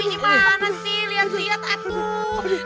ini panas sih liat liat atuh